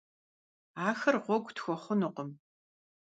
Ахэр гъуэгу тхуэхъунукъым.